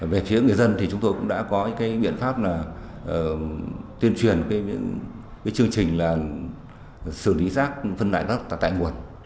về phía người dân thì chúng tôi cũng đã có cái biện pháp là tuyên truyền cái chương trình là xử lý rác phân đại rác tại nguồn